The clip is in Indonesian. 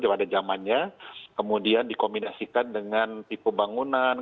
pada zamannya kemudian dikombinasikan dengan tipe bangunan